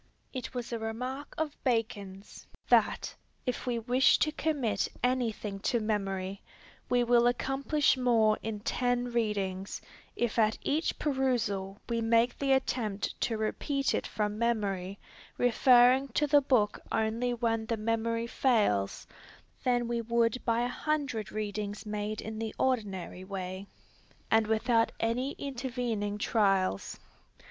It was a remark of Bacon's, that, if we wish to commit anything to memory, we will accomplish more in ten readings, if at each perusal we make the attempt to repeat it from memory, referring to the book only when the memory fails, than we would by a hundred readings made in the ordinary way, and without any intervening trials.